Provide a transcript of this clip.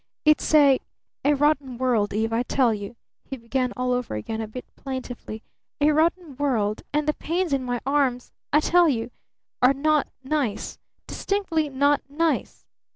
"It's a a rotten world, Eve, I tell you," he began all over again, a bit plaintively. "A rotten world! And the pains in my arms, I tell you, are not nice! Distinctly not nice!